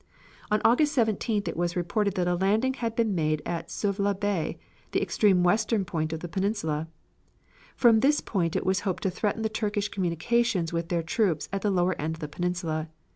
On August 17th it was reported that a landing had been made at Suvla Bay, the extreme western point of the Peninsula. From this point it was hoped to threaten the Turkish communications with their troops at the lower end of the Peninsula.